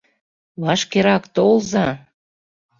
Вашкерак толза!